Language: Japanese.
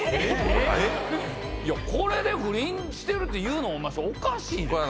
これで不倫してるっていうのお前おかしいで。